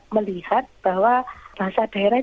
melihat bahwa bahasa daerah